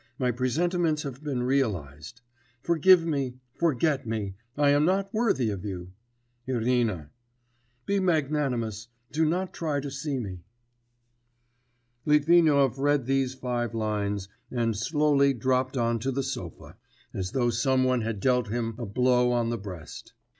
My presentiments have been realised. Forgive me, forget me; I am not worthy of you. Irina. Be magnanimous: do not try to see me.' Litvinov read these five lines, and slowly dropped on to the sofa, as though some one had dealt him a blow on the breast.